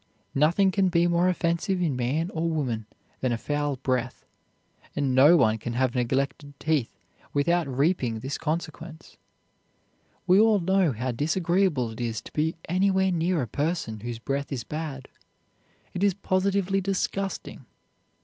Nothing can be more offensive in man or woman than a foul breath, and no one can have neglected teeth without reaping this consequence. We all know how disagreeable it is to be anywhere near a person whose breath is bad. It is positively disgusting.